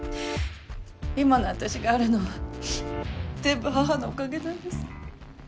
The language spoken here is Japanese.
今の私があるのは全部母のおかげなんです。